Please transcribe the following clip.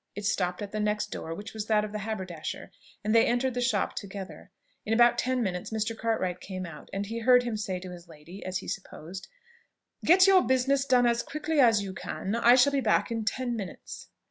It stopped at the next door, which was that of the haberdasher, and they entered the shop together. In about ten minutes Mr. Cartwright came out; and he heard him say to his lady, (as he supposed,) "Get your business done as quickly as you can: I shall be back in ten minutes."